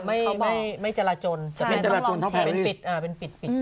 แต่ว่าไม่จราจลแต่เป็นปิด